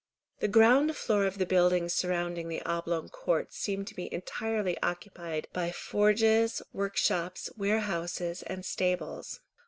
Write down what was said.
The ground floor of the buildings surrounding the oblong court seemed to be entirely occupied by forges, workshops, warehouses and stables.